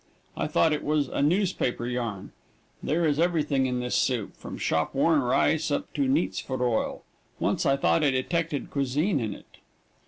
I thought it was a newspaper yarn. There is everything in this soup, from shop worn rice up to neat's foot oil. Once I thought I detected cuisine in it.